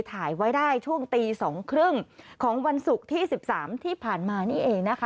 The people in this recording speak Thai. ถ่ายไว้ได้ช่วงตี๒๓๐ของวันศุกร์ที่๑๓ที่ผ่านมานี่เองนะคะ